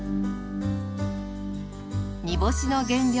煮干しの原料